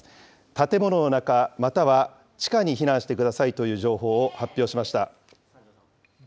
建物の中、または地下に避難してくださいという情報を発表しました。